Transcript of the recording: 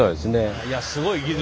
すごい技術！